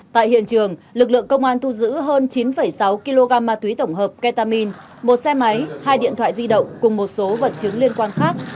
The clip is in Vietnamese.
tại hiện trường lực lượng công an thu giữ hơn chín sáu kg ma túy tổng hợp ketamin một xe máy hai điện thoại di động cùng một số vật chứng liên quan khác